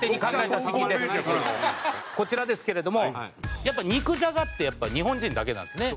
こちらですけれども肉じゃがってやっぱ日本人だけなんですね。